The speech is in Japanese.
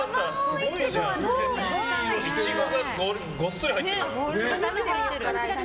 イチゴがごっそり入ってる。